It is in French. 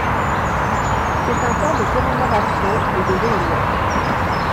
C’est un temps de commémoration et de réunion.